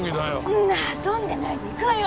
そんな遊んでないで行くわよ。